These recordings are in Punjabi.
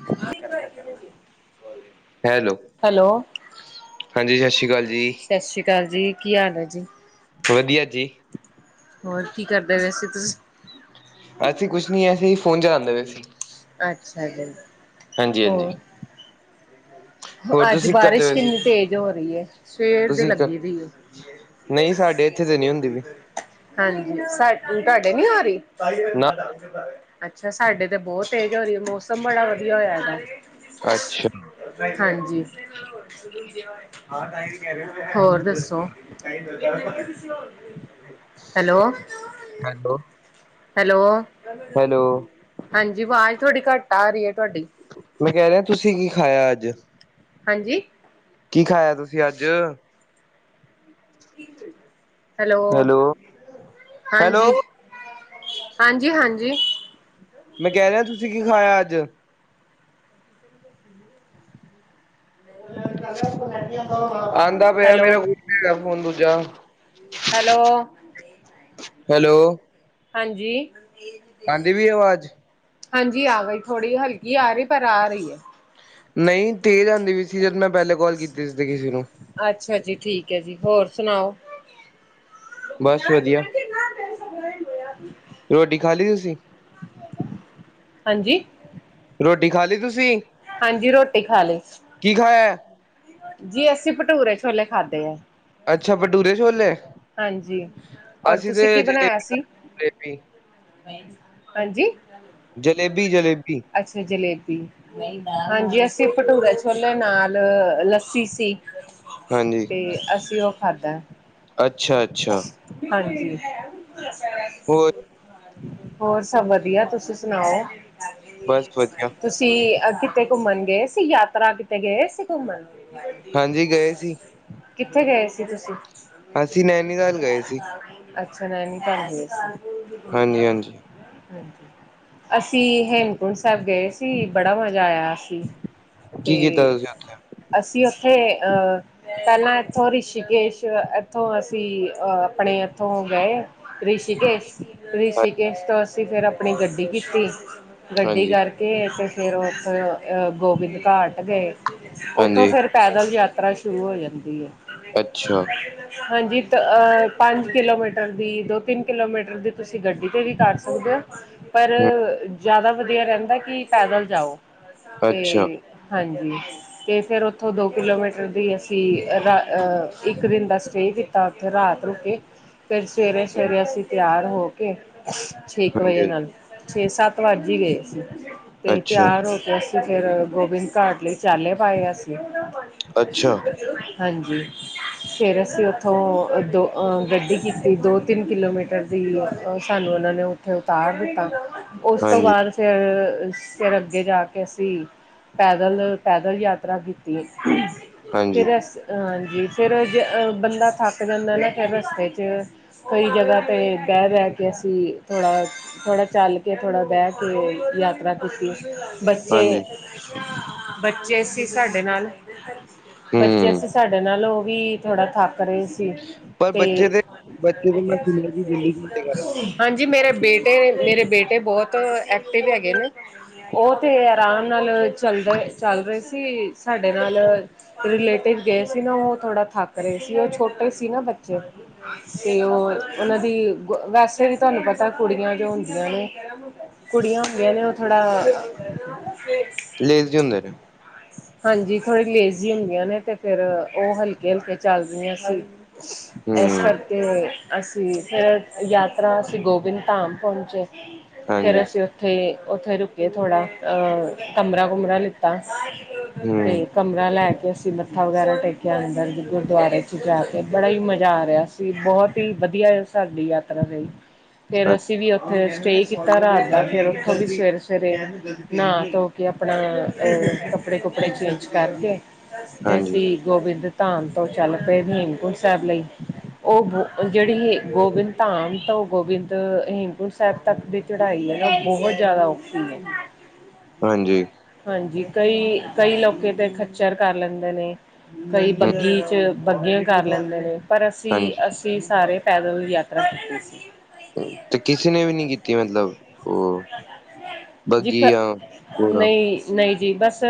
[inaudible] ਹੈਲੋ ਹੈਲੋ, ਹਾਂਜੀ ਸਤਿ ਸ਼੍ਰੀ ਅਕਾਲ ਜੀ ਸਤਿ ਸ੍ਰੀ ਅਕਾਲ ਜੀ, ਕੀ ਹਾਲ ਹੈ ਜੀ? ਵਧੀਆ ਜੀ। ਹੋਰ ਕੀ ਕਰਦੇ ਵੈਸੇ ਤੁਸੀ? ਅਸੀਂ ਕੁਛ ਨੀ, ਅਸੀਂ ਫੋਨ ਚਲਾਉਂਦੇ ਪਏ ਸੀ। ਅੱਛਾ ਜੀ। ਹਾਂਜੀ ਹਾਂਜੀ, ਹੂੰ, ਹੋਰ ਅੱਜ ਤੁਸੀਂ ਕੀ ਕਰਦੇ ਬਾਰਿਸ਼ ਪਏ ਸੀ ਕਿੰਨੀ ਤੇਜ਼ ਹੋ ਰਹੀ ਐ ਸਵੇਰ ਤੇ ਤੁਸੀਂ ਕ ਲੱਗੀ ਦੀ ਆ। ਨਹੀਂ ਸਾਡੇ ਇੱਥੇ ਤੇ ਨਹੀਂ ਹੁੰਦੀ ਵੀ। ਹਾਂਜੀ ਸਾ ਤੁਹਾਡੇ ਨੀ ਆ ਰਹੀ ਨਾ ਅੱਛਾ ਸਾਡੇ ਤੇ ਬਹੁਤ ਤੇਜ ਹੋ ਰਹੀ ਹੈ ਮੌਸਮ ਬੜਾ ਵਧੀਆ ਹੋਇਆ ਇਹਦਾ ਅੱਛਾ ਹਾਂਜੀ ਹੋਰ ਦੱਸੋ ਹੈਲੋ, ਠੰਡੋ, ਹੈਲੋ ਹਾਂਜੀ, ਆਵਾਜ਼ ਥੋੜੀ ਘੱਟ ਆ ਰਹੀ ਹੈ ਤੁਹਾਡੀ ਮੈਂ ਕਹਿ ਰਿਹਾ ਤੁਸੀਂ ਕੀ ਖਾਇਆ ਅੱਜ ਹਾਂਜੀ, ਕੀ ਖਾਇਆ ਤੁਸੀਂ ਅੱਜ ਹੈਲੋ ਹੈਲੋ ਹਾਂਜੀ, ਹਾਂਜੀ- ਹਾਂਜੀ ਮੈਂ ਕਹਿ ਰਿਹਾ ਤੁਸੀਂ ਕੀ ਖਾਇਆ ਅੱਜ ਹਮ [inaudible] ਗ [inaudible] ਆੰਦਾ ਪਿਆ ਹੈਲੋ, ਮੇਰੇ ਕੋਲ ਫੋਨ ਦੂਜਾ ਹੈਲੋ, ਹੈਲੋ ਹਾਂਜੀ ਆੰਦੀ ਵੀ ਆਵਾਜ਼ ਹਾਂਜੀ ਆ ਗਈ ਥੋੜੀ ਹਲਕੀ ਆ ਰਹੀ ਪਰ ਆ ਰਹੀ ਹੈ ਨਹੀਂ ਤੇਜ਼ ਆਂਦੀ ਵੀ ਸੀ ਜਦੋਂ ਮੈਂ ਪਹਿਲੇ ਕਾਲ ਕੀਤੀ ਸੀ ਕਿਸੇ ਨੂੰ ਅੱਛਾ ਜੀ। ਠੀਕ ਹੈ ਜੀ। ਹੋਰ ਸੁਣਾਓ ਬਸ ਵਧੀਆ ਰੋਟੀ ਖਾ ਲਈ ਤੁਸੀਂ ਹਾਂਜੀ, ਰੋਟੀ ਖਾ ਲਈ ਤੁਸੀਂ ਹਾਂਜੀ ਰੋਟੀ ਖਾ ਲਈ। ਕੀ ਖਾਇਆ। ਜੀ ਅਸੀਂ ਭਟੂਰੇ ਛੋਲੇ ਖਾਧੇ ਹੈ। ਅੱਛਾ ਭਟੂਰੇ ਛੋਲੇ ਹਾਂਜੀ, ਔਰ ਅਸੀਂ ਤੇ ਤੁਸੀਂ ਕੀ ਬਣਾਇਆ ਜਲੇਬੀ ਸੀ ਹਾਂਜੀ ਜਲੇਬੀ- ਜਲੇਬੀ ਅੱਛਾ ਜਲੇਬੀ। ਹਾਂਜੀ ਅਸੀ ਭਟੂਰਾ ਛੋਲੇ ਨਾਲ ਲ ਸੀ- ਸੀ ਹਾਂਜੀ ਤੇ ਅਸੀਂ ਉਹ ਖਾਧਾ ਅੱਛਾ ਅੱਛਾ ਹਾਂਜੀ ਹੋਰ ਹੋਰ ਸਭ ਵਧੀਆ। ਤੁਸੀ ਸੁਣਾਓ ਬਸ ਵਧੀਆ ਅ ਕਿਤੇ ਘੁੰਮਣ ਗਏ ਸੀ ਯਾਤਰਾ। ਕਿਤੇ ਗਏ ਸੀ ਘੁੰਮਣ ਗ ਹਾਂਜੀ ਗਏ ਸੀ ਕਿੱਥੇ ਗਏ ਸੀ ਤੁਸੀਂ ਅਸੀਂ ਨੈਨੀਤਾਲ ਗਏ ਸੀ ਅੱਛਾ ਨੈਨੀਤਾਲ ਗਏ ਸੀ ਹ ਹਾਂਜੀ ਹਾਂਜੀ ਅਸੀ ਹੇਮਕੁੰਟ ਸਾਹਿਬ ਗਏ ਫ ਬੜਾ ਮਜ਼ਾ ਆਇਆ ਸੀ ਤੇ ਕੀ ਕੀਤਾ ਤੁਸੀਂ ਉੱਥੇ ਅਸੀ ਉੱਥੇ ਅਹ ਪਹਿਲਾਂ ਇਥੋ ਰਿਸ਼ਕੇਸ਼ ਉੱਥੋਂ ਅਸੀਂ ਅ ਆਪਣੇ ਇੱਥੋਂ ਗਏ। ਰਿਸ਼ੀਕੇਸ਼ ਰਿਸ਼ੀਕੇਸ਼ ਤੋਂ ਅਸੀਂ ਫਿਰ ਆਪਣੀ ਗੱਡੀ ਕੀਤੀ। ਗੱਡੀ ਹਾਂਜੀ ਕਰ ਗ ਤੇ ਫਿਰ ਉੱਥੋਂ ਗੋਬਿੰਦ ਘਾਟ ਗਏ। ਉੱਥੋਂ ਹਾਂਜੀ ਫਿਰ ਪੈਦਲ ਯਾਤਰਾ ਸ਼ੁਰੂ ਹੋ ਜਾਂਦੀ ਹੈ ਅੱਛਾ ਹਾਂਜੀ। ਅਹ ਪੰਜ ਕਿਲੋਮੀਟਰ ਦੀ। ਦੋ ਤਿੰਨ ਕਿਲੋਮੀਟਰ ਦੀ ਤੁਸੀਂ ਗੱਡੀ 'ਤੇ ਵੀ ਕਰ ਸਕਦੇ ਹੌ ਪਰ, ਹਮ ਜ਼ਿਆਦਾ ਵਧੀਆ ਰਹਿੰਦਾ ਕਿ ਪੈਦਲ ਜਾਓ ਤੇ ਅੱਛਾ ਹਾਂਜੀ ਅਤੇ ਫਿਰ ਉੱਥੋਂ ਦੋ ਕਿਲੋਮੀਟਰ ਦੀ ਅਸੀ ਰਾ ਇੱਕ ਦਿਨ ਬਸ ਸ ਕੀਤਾ ਉੱਥੇ ਰਾਤ ਰੁਕੇ, ਕੇ ਫਿਰ ਸਵੇਰੇ ਸਵੇਰੇ ਅਸੀਂ ਤਿਆਰ ਹੋ ਕੇ ਛੇ ਇੱਕ ਹਾਂਜੀ ਵਜੇ ਹਾਂਜੀ, ਨਾਲ। ਛੇ ਸੱਤ ਵੱਜ ਹੀ ਗਏ ਸੀ ਤੇ ਅੱਛਾ ਤਿਆਰ ਹੋ ਕੇ ਅਸੀ ਫਿਰ ਗੋਬਿੰਦ ਘਾਟ ਲਈ ਚਾਲੇ ਪਾਏ ਅਸੀ ਅੱਛਾ ਹਾਂਜੀ ਫਿਰ ਅਸੀ ਉੱਥੋਂ ਦੋ ਗੱਡੀ ਕੀਤੀ ਦੋ ਤਿੰਨ ਕਿਲੋਮੀਟਰ ਦੀ ਸਾਨੂੰ ਉਹਨਾ ਨੇ ਉੱਥੇ ਉਤਾਰ ਦਿੱਤਾ ਉਸ ਤੋਂ ਹਾਂਜੀ ਬਾਅਦ ਫਿਰ ਫਿਰ ਅੱਗੇ ਜਾ ਕੇ ਅਸੀ ਪੈਦਲ ਪੈਦਲ ਯਾਤਰਾ ਕੀਤੀ, ਹਾਂਜੀ ਫਿਰ ਅ ਹਾਂਜੀ ਫਿਰ ਜ ਅਹ ਬੰਦਾ ਥੱਕ ਜਾਂਦਾ ਨਾ ਫਿਰ ਰਸਤੇ ਚ ਕਈ ਜਗ੍ਹਾ ਤੇ ਬਹਿ ਬਹਿ ਕੇ ਅਸੀਂ ਥੋੜ੍ਹਾ ਥੋੜਾ ਚੱਲ ਕੇ ਥੋੜਾ ਬਹਿ ਕੇ ਯਾਤਰਾ ਤੁਸੀ ਬੱਚੇ ਹਾਂਜੀ ਬੱਚੇ ਸੀ ਸਾਡੇ ਨਾਲ ਬੱਚੇ ਹਮ ਅਸੀ ਸਾਡੇ ਨਾਲ ਉਹ ਵੀ ਥੋੜਾ ਥੱਕ ਰਹੇ ਸੀ ਪਰ ਬੱਚੇ ਤੇ ਦੇ ਬੱਚੇ ਦੇ ਮੈਂ ਸੁਣਿਆ ਕਿ ਜਲਦੀ ਹਾਂਜੀ ਮੇਰੇ ਬੇਟੇ ਮੇਰੇ ਬੇਟੇ ਬਹੁਤ ਐਕਟਿਵ ਹੈਗੇ ਨੇ ਉਹ ਤੇ ਆਰਾਮ ਨਾਲ ਚੱਲ ਰ ਚੱਲ ਰਹੇ ਸੀ ਸਾਡੇ ਨਾਲ ਰਿਲੇਟਿਵ ਗਏ ਸੀ ਨਾ ਉਹ ਥੋੜ੍ਹਾ ਥੱਕ ਰਹੇ ਸੀ ਉਹ ਛੋਟੇ ਸੀ ਨਾ ਬੱਚੇ ਚ [unintelligible] ਤੇ ਉਹ ਉਹਨਾਂ ਦੀ ਵੈਸੇ ਵੀ ਤੁਹਾਨੂੰ ਪਤਾ ਕੁੜੀਆਂ ਜੋ ਹੁੰਦੀਆਂ ਨੇ ਕੁੜੀਆਂ ਹੋੁੰਦੀਆਂ ਨੇ ਉਹ ਥੋੜਾ ਲੇਜ਼ੀ ਹੁੰਦੇ ਨੇ ਹਾਂਜੀ ਥੋੜੀ ਲੇਜ਼ੀ ਹੁੰਦੀਆਂ ਨੇ ਤੇ ਫੇਿਰ ਉਹ ਹਲਕੇ ਹਲਕੇ ਚੱਲਦੀਆਂ ਸੀ ਇਸ ਹਮ ਕਰਕੇ ਅਸੀ ਫਿਰ ਯਾਤਰਾ ਅਸੀਂ ਗੋਬਿੰਦ ਧਾਮ ਪਹੁੰਚੇ, ਫਿਰ ਹਾਂਜੀ ਅਸੀ ਅਤੇ ਉੱਥੇ ਰੁਕੇ ਥੋੜ੍ਹਾ, ਕਮਰਾ ਕੁਮਰਾ ਲਿੱਤਾ ਹਮ ਤੇ ਕਮਰਾ ਲੈ ਕੇ ਅਸੀ ਮੱਥਾ ਵਗੈਰਾ ਟੇਕਿਆ, ਅੰਦਰ ਗੁਰਦੁਆਰੇ ਚ ਜਾ ਕੇ ਬੜਾ ਹੀ ਮਜ਼ਾ ਆ ਰਿਹਾ ਸੀ, ਬਹੁਤ ਹੀ ਵਧੀਆ ਸਾਡੀ ਯਾਤਰਾ ਰਈ ਫੇਰ ਅ ਅਸੀ ਵੀ ਉੱਥੇ ਸਟੇ ਕੀਤਾ, ਰਾਤ ਦਾ ਫੇਰ ਉੱਥੋਂ ਵੀ ਸਵੇਰੇ ਸਵੇਰੇ ਨਹਾ ਧੋ ਕੇ ਕਿ ਆਪਣਾ ਅ ਕੱਪੜੇ ਕੁਪੜੇ ਚੇਂਜ ਕਰਕੇ ਤੇ ਹਾਂਜੀ, ਅਸੀਂ ਗੋਬਿੰਦ ਧਾਮ ਤੋਂ ਚੱਲ ਪਏ ਹੇਮਕੁੰਟ ਸਾਹਿਬ ਲਈ ਉਹ ਜਿਹੜੀ ਗੋਬਿੰਦ ਧਾਮ ਤਾਂ ਉਹ ਗੋਬਿੰਦ ਹੇਮ ਕੁਟਂ ਸਾਹਿਬ ਤੱਕ ਦੀ ਚੜ੍ਹਾਈ ਹੈ ਨਾ ਬਹੁਤ ਜ਼ਿਆਦਾ ਔਖੀ ਹੈ ਹਾਂਜੀ ਹਾਂਜੀ ਕਈ-ਕਈ ਲੋਕ ਤੇ ਖੱਚਰ ਕਰ ਲੈਂਦੇ ਨੇ ਕਈ ਹੂੰ, ਬੱਗੀ ਚ ਬੱਗੀਆਂ ਕਰ ਲੈਂਦੇ ਨੇ ਪਰ ਹਾਂਜੀ ਅਸੀਂ-ਅਸੀਂ ਸਾਰੇ ਪੈਦਲ ਦੀ ਯਾਤਰਾ ਕੀਤੀ ਸੀ ਤੇ ਕਿਸੇ ਨੇ ਵੀ ਨੀ ਕੀਤੀ ਮਤਲਬ ਉਹ ਜੀ ਬੱਗੀ ਜਾਂ ਘੋੜਾ ਨਹੀਂ ਨਹੀਂ ਜੀ ਬਸ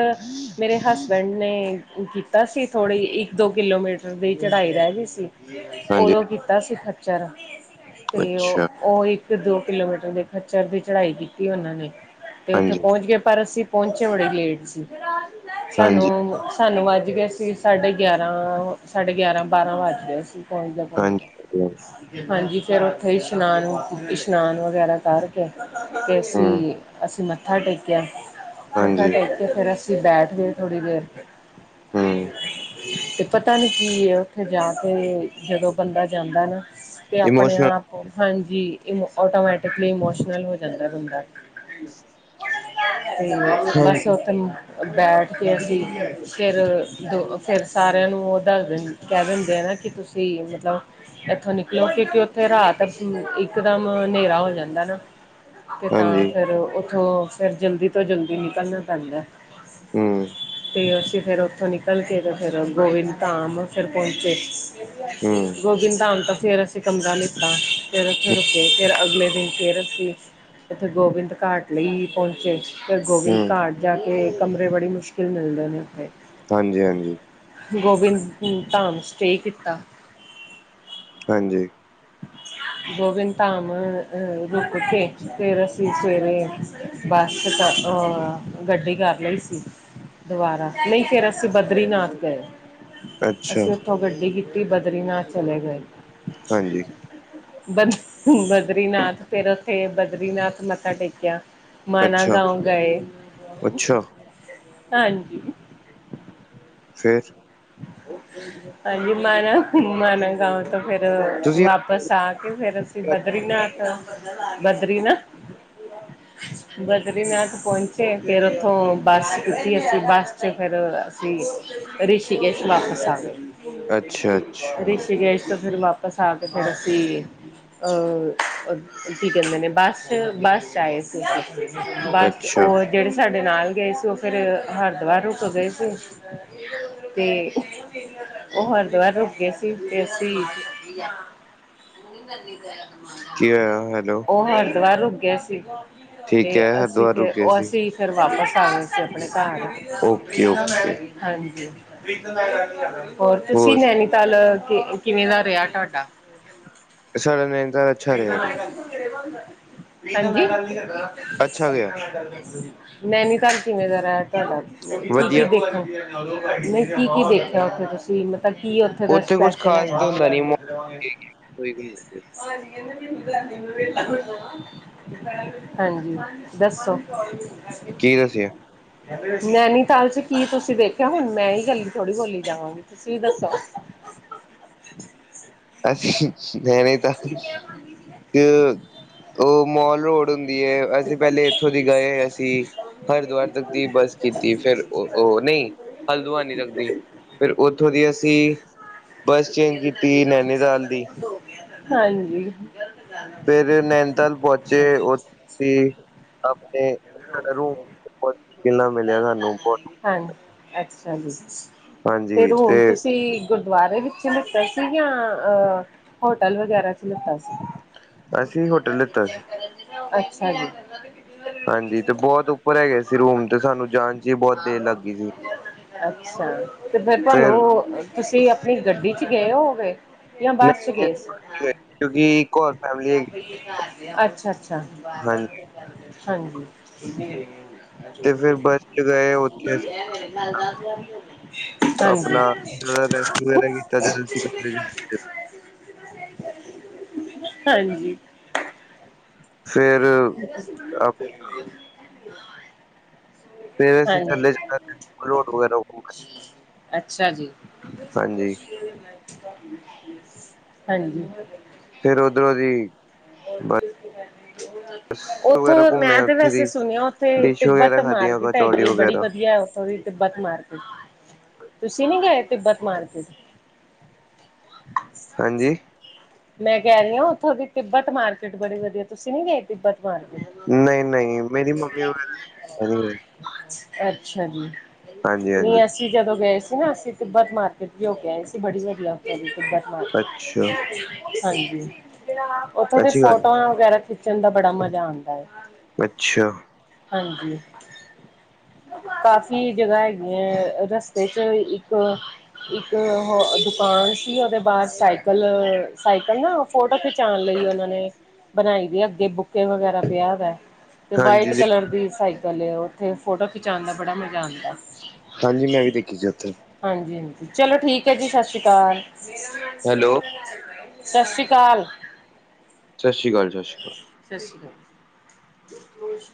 ਮੇਰੇ ਹਸਬੈਂਡ ਨੇ ਕੀਤਾ ਸੀ ਥੋੜ੍ਹੀ ਇੱਕ ਦੋ ਕਿਲੋਮੀਟਰ ਦੀ ਚੜ੍ਹਾਈ ਰਹਿ ਗਈ ਸੀ ਹਾਂਜੀ, ਉਦੋਂ ਕੀਤਾ ਸੀ ਖੱਚਰ ਤੇ ਅੱਛਾ ਉਹ ਇੱਕ ਤੇ ਦੋ ਕਿਲੋਮੀਟਰ ਦੇ ਖੱਚਰ ਦੀ ਚੜਾਈ ਕੀਤੀ ਉਹਨਾਂ ਨੇ ਤੇ ਉੱਥੇ ਹਾਂਜੀ, ਪਹੁੰਚ ਗਏ ਪਰ ਅਸੀਂ ਪਹੁੰਚੇ ਬੜੇ ਲੇਟ ਸੀ ਹਾਂਜੀ, ਸਾਨੂੰ ਸਾਨੂੰ ਵਜ ਗੇ ਸੀ ਸਾਢੇ ਗਿਆਰਾਂ ਗਿਆਾਂ ਸਾਡੇ ਗਿਆਰਾਂ ਬਾਰਾਂ ਵੱਜ ਗੇ ਸੀਂ ਪਹੁੰਚਦੇ ਪਹੁੰਚਦੇ ਹਾਂਜੀ ਹਾਂਜੀ ਫਿਰ ਉੱਥੇ ਹੀ ਇਸ਼ਨਾਨ-ਇਸ਼ਨਾਨ ਵਗੈਰਾ ਕਰਕੇ ਤੇ ਹੂੰ, ਅਸੀਂ ਅਸੀਂ ਮੱਥਾ ਟੇਕਿਆ ਮੱਥਾ ਹਾਂਜੀ, ਟੇਕ ਕੇ ਫੇਿਰ ਅਸੀਂ ਬੈਠ ਗਏ ਥੋੜ੍ਹੀ ਦੇਰ ਹਮ ਤੇ ਪਤਾ ਨੀ ਕੀ ਹੈ ਉੱਥੇ ਜਾ ਕੇ ਜਦੋਂ ਬੰਦਾ ਜਾਂਦਾ ਨਾ ਤੇ ਆਪਣੇ ਇਮੋਸ਼ਨਲ ਆਪ ਹਾਂਜੀ ਔਟੋਮੈਟਿਕਲੀ ਇਮੋਸ਼ਨਲ ਹੋ ਜਾਂਦਾ ਬੰਦਾ ਤੇ ਹਾਂ ਬਸ ਉਥੇ ਬੈਠ ਕੇ ਅਸੀਂ ਫੇਰ ਦੋ ਫਿਰ ਸਾਰਿਆਂ ਨੂੰ ਉਹ ਦੱਸ ਦਿੰ ਕਹਿ ਦਿੰਦੇ ਆ ਨਾ ਕਿ ਤੁਸੀਂ ਮਤਲਬ ਇੱਥੋਂ ਨਿਕਲੋ ਕਿਉਂਕਿ ਉੱਥੇ ਰਾਤ ਇਕਦਮ ਹਨੇਰਾ ਹੋ ਜਾਂਦਾ ਨਾ ਤੇ ਤਾਂ ਹਾਂਜੀ, ਫਿਰ ਉੱਥੋਂ ਫਿਰ ਜਲਦੀ ਤੋਂ ਜਲਦੀ ਨਿਕਲਣਾ ਪੈਂਦਾ ਹੂੰ, ਤੇ ਅਸੀਂ ਫੇਰ ਉੱਥੋਂ ਨਿਕਲ ਕੇ ਫਿਰ ਗੋਬਿੰਦ ਧਾਮ ਫਿਰ ਪਹੁੰਚੇ ਹੂੰ, ਗੋਬਿੰਦਾ ਧਾਮ ਤੇ ਫਿਰ ਅਸੀਂ ਕਮਰਾ ਲਿਤਾੱ ਫਿਰ ਉੱਥੇ ਰੁਕੇੇ ਫਿਰ ਅਗਲੇ ਦਿਨ ਫਿਰ ਅਸੀਂ ਉਥੇ ਗੋਬਿੰਦ ਘਾਟ ਲਈ ਪਹੁੰਚੇ ਫਿਰ ਗੋਬਿੰਦ ਹੂੰ ਘਾਟ ਜਾ ਕੇ ਕਮਰੇ ਬੜੀ ਮੁਸ਼ਕਿਲ ਮਿਲਦੇ ਨੇ ਉੱਥੇ ਹਾਂਜੀ-ਹਾਂਜੀ ਗੋਬਿੰਦ ਧਾਮ ਸਟੇ ਕੀਤਾ ਹਾਂਜੀ ਗੋਬਿੰਦ ਧਾਮ ਅਹ ਰੁਕ ਕੇ ਤੇਰ ਅਸੀ ਸਵੇਰੇ ਬੱਸਹ ਗੱਡੀ ਕਰ ਲਈ ਸੀ, ਦੁਬਾਰਾ ਨਹੀਂ ਫੇਿਰ ਅਸੀਂ ਬਦਰੀਨਾਥ ਗਏ। ਅੱਛਾ, ਅਸੀਂ ਉੱਥੋਂ ਗੱਡੀ ਕੀਤੀ ਬਦਰੀਨਾਥ ਚਲੇ ਗਏ। ਹਾਂਜੀ, ਬ ਬਦਰੀਨਾਥ ਫਿਰ ਉੱਥੇ ਬਦਰੀਨਾਥ ਮੱਥਾ ਟੇਕਿਆ। ਮਾਨ ਅੱਛਾ, ਗਾਓ ਗਏ ਅੱਛਾ ਹਾਂਜੀ, ਫਿਰ ਹਾਂਜੀ ਮ ਨਾ ਮ ਨਾ ਗਾਓ ਤੋਂ ਫੇਿਰ ਤੁਸੀਂ ਵਾਪਿਸ ਆ ਕੇ, ਫੇਿਰ ਅਸੀਂ ਆ- ਬਦਰੀਨਾਥ ਬਦਰੀਨਾਥ ਬਦਰੀਨਾਥ ਪਹੁੰਚੇ ਫੇਰ ਉੱਥੋਂ ਬੱਸ ਕੀਤੀ ਅਸੀਂ ਬੱਸ ਚ ਫੇਿਰ, ਰਿਸ਼ੀਕੇਸ਼ ਵਾਪਿਸ ਆ ਅੱਛਾ, ਗ ਅੱਛਾ, ਰਿਸ਼ੀਕੇਸ਼ ਤੋਂ ਫੇਿਰ ਵਾਪਿਸ, ਪਸਾ ਕੇ ਫ ਦੱਸੀ ਅ ਕੀ ਕਹਿੰਦੇ ਨੇ ਬੱਸ ਚ ਬੱਸ ਚ ਆਏ ਸੀ ਬਸ ਅੱਛਾ ਉਹ ਜਿਹੜੇ ਸਾਡੇ ਨਾਲ ਗਏ ਸੀ ਉਹ ਫਿਰ ਹਰਿਦੁਆਰ ਰੁਕ ਗਏ ਸੀ ਤੇ ਉਹ ਹਰਦਵਾਰ ਰੁਕੇ ਸੀ ਤੇ ਅਂਸੀ ਨੀ ਨਨੀ ਜਿਹਾ ਸਮਾਨ ਕੀ ਹੋਇਆ ਹੈਲੋ, ਉਹ ਹਰਿਦੁਵਾਰ ਰੁ ਗਏ ਸੀ। ਅਤੇ ਠੀਕ ਹੈ ਅਸੀਂ ਹਰਿਦੁਆਰ ਫਿਰ ਰੁਕੇ ਉਹ ਸੀ ਅਸੀਂ ਫਿਰ ਵਾਪਿਸ ਆਣਾ ਸੀ ਆਪਣੇ ਘਰ, ਓਕੇ ਓਕੇ ਹਾਂਜੀ ਹੋਰ ਤੁਸੀਂ ਨਨੀ, ਚਲ ਕਿਵੇਂ ਦਾ ਰਿਹਾ ਤੁਢਾਡਾ ਸੜਨ ਤਾਂ ਤੁਹਾਡਾ ਅੱਛਾ ਗਿਆ ਨੈਨੀ ਘਰ ਕਿਵੇਂ ਦਾ ਰ ਤੁਹਾਡਾ ਕੀ ਕੀ ਵਧੀਆ ਦੇਖਣ, ਮੈਂ ਕੀ ਕੀ ਦੇਖਿਆ ਉੱਥੇ ਤੁਸੀਂ ਮਤਲਬ ਕੀਥ ਉੱਥੇ ਕੁੱਝ ਸਪੈਸ਼ਲ ਹੈ। ਖਾਸ ਤੇ ਹੁੰਦਾ ਨੀ ਮ ਮ ਹਾਂਜੀ ਦੱਸੋ ਕੀ ਦੱਸਿਆ ਨੈਨੀਤਾਲ ਚ ਕੀ ਤੁਸੀਂ ਦੇਖਿਆ ਹੁਣ ਮੈਂ ਹੀ ਗੱਲੀ ਥੋੜ੍ਹੀ ਬੋਲੀ ਜਾਵਾਂਗੀ। ਤੁਸੀਂ ਦੱਸੋ ਅਸੀਂ ਲਣੇ ਤਾਂ ਕਿ ਉਹ ਮੋਲ ਰੋਡ, ਹੁੰਦੀ ਏ ਅਸੀਂ ਪਹਿਲੇ ਇੱਥੋਂ ਦੀ ਗਏ ਅਸੀਂ। ਹਰਿਦੁਵਰ ਤੱਕ ਦੀ ਬੱਸ ਕੀਤੀ ਫੇਿਰ ਉਹ ਨਹੀਂ ਹਲਦੁਆ ਨੀ ਤੱਕਦੀ, ਫਿਰ ਉੱਥੋਂ ਦੀ ਅਸੀਂ ਬੱਸ ਚੇਂਜ ਕੀਤੀ ਨੈ, ਨਿਦਾਲ ਦੀ, ਹਾਂਜੀ ਫੇਰ ਨੈਨਤਾਲ ਪਹੁੰਚੇ ਉਥੇ ਆਪਣੇ ਰੋ, ਹਾਂ ਅੱਛਾ ਜੀ ਤੇ ਹੁਣ ਤੁਸੀਂ ਗੁਰਦੁਆਰੇ ਵਿੱਚ ਲਿੱਤਾ ਸੀ ਜਾਂ ਅ ਹੋਟਲ ਵਗੈਰਾ ਚ ਲਿੱਤਾ ਸੀ। ਅਸੀਂ ਹੋਟਲ ਲਿੱਤਾ ਸੀ ਅੱਛਾ ਜੀ ਹਾਂਜੀ ਤੇ ਬਹੁਤ ਉੱਪਰ ਹੈਗੇ ਸੀ ਰੂਮ ਤੇ ਸਾਨੂੰ ਜਾਣ ਚ ਹੀ ਬਹੁਤ ਦੇਰ ਲੱਗ ਗਈ ਸੀ। ਅੱਛਾ ਤੇ ਫਿਰ ਤੁਹਾਨੂੰ ਤੁਸੀਂ ਆਪਣੀ ਗੱਡੀ ਚ ਗਏ ਹੋ ਹੋਗੇ, ਜਾਂ ਬੱਸ ਚ ਗ ਸੀ ਕਿਉਂਕਿ ਇੱਕ ਹੋਰ ਫੈਮਿਲੀ ਹੈਗੀ ਅੱਛਾ ਅੱਛਾ ਹਾਂਜੀ ਹਾਂਜੀ ਤੇ ਫਿਰ ਬੱਸ ਚ ਗਏ ਉੱਥੇ ਹਾਂਜੀ ਆਪਣਾ ਰੈਸਟ ਵਗੈਰਾ ਕੀਤਾ ਜਦੋਂ ਅਸੀਂ ਕਮਰੇ ਚ ਪਹੁੰਚੇ, ਹਾਂਜੀ। ਫਰ ਆਪ ਕਿ ਵੇ ਫ ਅਸੀਂ ਥੱਲੇ ਜਾਣਦੇ ਵਗੈਰਾ ਅੱਛਾ ਜੀ। ਹਾਂਜੀ ਹਾਂਜੀ। ਫੇਰ ਉਧਰੋਂ ਦੀ ਹੋਰ ਵਗੈਰਾ ਉੱਥੋਂ, ਘੁੰਮੇ ਮੈਂ ਤੇ ਉੱਥੇ ਵੈਸੇ ਦੀ ਸੁਣਿਆ ਉੱਥੇ ਡਿਸ਼ ਤਿੱਬਤ ਵਗੈਰਾ ਖਾਧੀਆਂ ਮਾਰਕੀਟ ਕਚੌੜੀ ਹੈਗੀਏ। ਬੜੀ ਵਗੈਰਾ ਵਧੀਆ ਉੱਥੋਂ ਦੀ। ਤਬਤ ਮਾਰਕੀਟ। ਤੁਸੀਂ ਨੀ ਗਏ ਤਿੱਬਤ ਮਾਰਕੀਟ ਹਾਂਜੀ। ਮੈਂ ਕਹਿ ਰਹੀ ਹ ਉੱਥੋਂ ਦੀ ਤਿੱਬਤ ਮਾਰਕੀਟ ਬੜੀ ਵਧੀਆ ਤੁਸੀਂ ਨੀ ਗਏ। ਤਿੱਬਤ ਮਾਰ ਨਹੀਂ ਨਹੀਂ ਮੇਰੀ ਮੰਮੀ ਵਗੈਰਾ ਨਹੀਂ ਹੈ ਅੱਛਾ ਜੀ ਹਾਂਜੀ ਹਾਂਜੀ ਨਹੀਂ ਅਸੀਂ ਜਦੋਂ ਗਏ ਸੀ ਨਾ ਅਸੀਂ ਤਿੱਬਤ ਮਾਰਕੀਟ ਵੀ ਹੋ ਕੇ ਆਏ ਸੀ ਬੜੀ ਵਧੀਆ, ਅੱਛਾ ਹਾਂਜੀ ਉਓਥੋਂ ਸਤਿ ਦੇ ਸ਼੍ਰੀ ਅਕਾਲ ਫੋਟੋਆਂ ਵਗੈਰਾ, ਨੱਚਣ ਦਾ ਬੜਾ ਮਜ਼ਾ ਆਉਂਦਾ ਹੈ। ਅੱਛਾ ਹਾਂਜੀ ਕਾਫ਼ੀ ਜਗ੍ਹਾ ਹੈਗੀੀਆਂ ਹੈ। ਰਸਤੇ ਚ ਇੱਕ, ਇੱਕ ਹੋਰ ਦੁਕਾਨ ਸੀ ਉਹਦੇ ਬਾਹਰ ਸਾਈਕਲ, ਸਾਈਕਲ ਨਾ ਫੋਟੋ ਖਿਚਾਣ। ਨਈ ਉਹਨਾਂ ਨੇ ਬਣਾਈ ਦੀ ਅੱਗੇ ਬੁੱਕ ਵਗੈਰਾ ਪਿਆ ਦਾ ਤੇ ਹਾਂਜੀ ਵਾਈਟ ਕਲਰ ਦੀ ਸਾਈਕਲ ਉ ਫੋਟੋ ਖਿਚਾਉਣ ਦਾ ਬੜਾ ਮਜ਼ਾ ਆਂਦਾ ਹਾਂਜੀ। ਮੈਂ ਵੀ ਦੇਖੀ ਸੀ ਉੱਥੇ ਹਾਂਜੀ ਹਾਂਜੀ। ਚਲੋ ਠੀਕ ਹੈ। ਜੀ ਸਤਿ ਸ਼੍ਰੀ ਅਕਾਲ। ਸਤਿ ਹੈਲੋ ਸ਼੍ਰੀ ਅਕਾਲ। ਸਤ ਸ਼੍ਰੀ ਅਕਾਲ, ਸਤ ਸ਼੍ਰੀ ਅਕਾਲ ਸਤਿ ਸ਼੍ਰੀ ਅਕਾਲ।